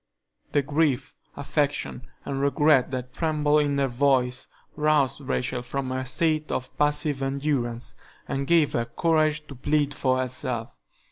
The grief, affection, and regret that trembled in her voice roused Rachel from her state of passive endurance and gave her courage to plead for herself.